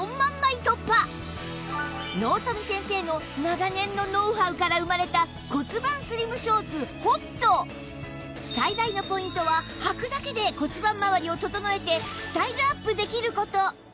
納富先生の長年のノウハウから生まれた骨盤スリムショーツ ＨＯＴ最大のポイントははくだけで骨盤まわりを整えてスタイルアップできる事